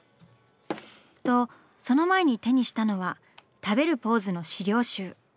とその前に手にしたのは食べるポーズの資料集。